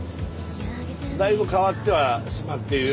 だいぶ変わってはしまっている？